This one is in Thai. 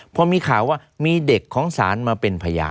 พอมีข่าวว่ามีเด็กของศาลมาเป็นพยาน